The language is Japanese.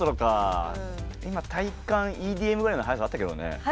体感ＥＤＭぐらいの速さあったけどね。